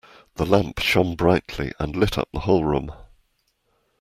The lamp shone brightly and lit up the whole room.